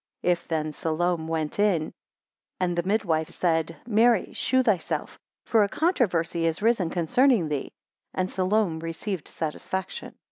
18 If Then Salome went in, and the midwife said, Mary, shew thyself, for a controversy is risen concerning thee. 19 And Salome received satisfaction.